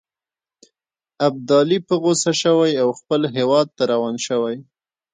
ابدالي په غوسه شوی او خپل هیواد ته روان شوی.